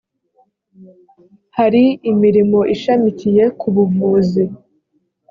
hari imirimo ishamikiye ku buvuzi .